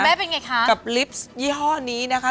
เป็นไงคะกับลิฟต์ยี่ห้อนี้นะคะ